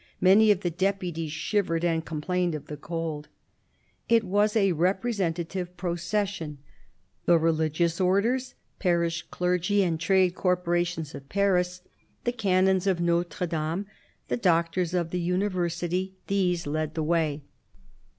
Many of the deputies shivered, and complained of the cold. It was a representative procession. The religious Orders, parish clergy, and trade corporations of Paris, the canons of Notre Dame, the doctors of the University — these led the way.